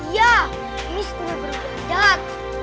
iya miss pen